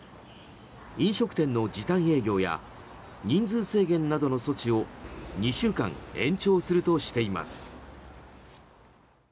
飲食店の時短営業や人数制限などの措置を２週間、延長するとしています。